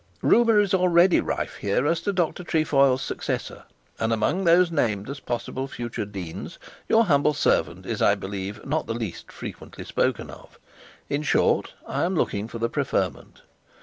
'Rumour is already rife her as to Dr Trefoil's successor, and among those named as possible future deans your humble servant is, I believe, not the least frequently spoken of; in short, I am looking for the preferment.